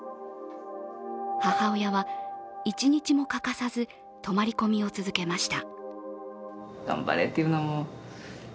母親は一日も欠かさず泊まり込みを続けました。